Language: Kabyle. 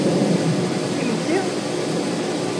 Imensi!